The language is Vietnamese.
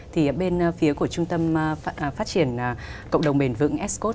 thì bên phía của trung tâm phát triển cộng đồng bền vững s code